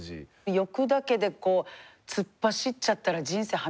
欲だけで突っ走っちゃったら人生破滅する。